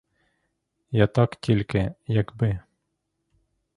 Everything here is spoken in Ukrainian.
Я так тільки, якби!